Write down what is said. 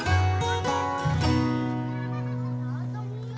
ketika mereka berada di sekolah mereka bisa mencari buku yang lebih mudah